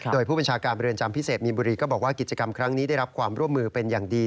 โดยผู้บัญชาการเรือนจำพิเศษมีนบุรีก็บอกว่ากิจกรรมครั้งนี้ได้รับความร่วมมือเป็นอย่างดี